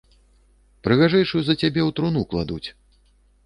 Прыгажэйшую за цябе ў труну кладуць.